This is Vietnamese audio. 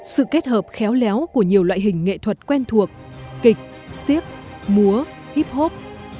sự kết hợp khéo léo của nhiều loại hình nghệ thuật quen thuộc kịch siếc múa hip hop